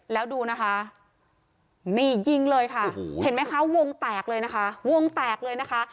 แล้วดูนะคะนี่ยิงเลยค่ะเห็นไหมคะวงแตกเลยนะคะวงแตกเลยนะคะ